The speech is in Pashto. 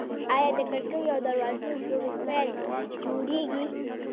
آیا د کړکیو او دروازو پروفیل جوړیږي؟